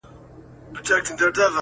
تر څو به وینو وراني ویجاړي -